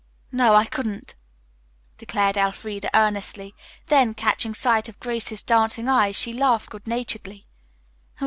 "No I couldn't," declared Elfreda earnestly, then, catching sight of Grace's dancing eyes, she laughed good naturedly.